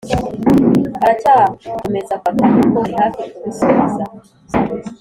aracyakomeza kubaka ariko arihafi kubisoza